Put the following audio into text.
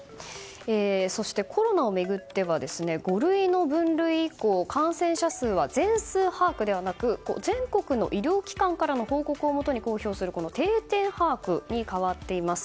そしてコロナを巡っては５類の分類以降感染者数は全数把握ではなく全国の医療機関から報告をもとに公表する定点把握に変わっています。